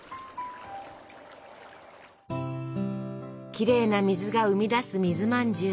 きれいな水が生み出す水まんじゅう。